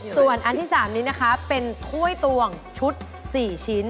ส่วนอันที่๓นี้นะคะเป็นถ้วยตวงชุด๔ชิ้น